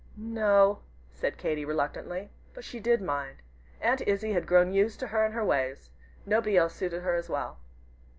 "N o!" said Katy, reluctantly. But she did mind. Aunt Izzie had grown used to her and her ways. Nobody else suited her so well.